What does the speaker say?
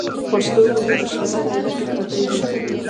پر سترګو مو د شیطان عینکې پرتې دي.